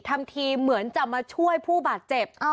ทำทีเหมือนจะมาช่วยผู้บาดเจ็บ